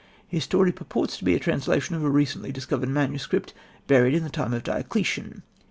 His story purports to be a translation of a recently discovered manuscript buried in the time of Diocletian.